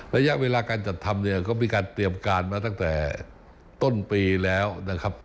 ระยะเวลาการจัดทำเนี่ยก็มีการเตรียมการมาตั้งแต่ต้นปีแล้วนะครับ